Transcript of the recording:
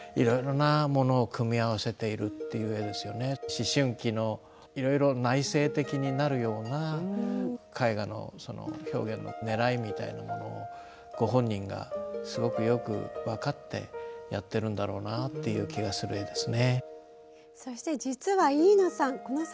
思春期のいろいろ内省的になるような絵画の表現のねらいみたいなものをご本人がすごくよく分かってやってるんだろうなっていう気がする絵ですね。